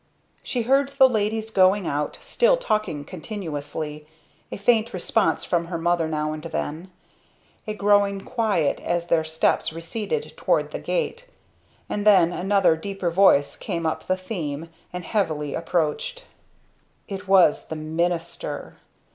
She heard the ladies going out, still talking continuously, a faint response from her mother now and then, a growing quiet as their steps receded toward the gate; and then another deeper voice took up the theme and heavily approached. It was the minister!